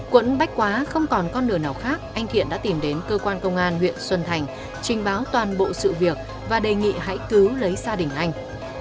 quận bách quá không còn con nửa nào khác anh thiện đã tìm đến cơ quan công an huyện xuân thành trình báo toàn bộ sự việc và đề nghị hãy cứu lấy gia đình anh